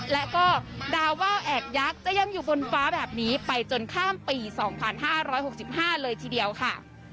และก็ดาวว่าวแอบยักษ์จะยังอยู่บนฟ้าแบบนี้ไปจนข้ามปี๒๕๖๕เลยทีเดียวค่ะ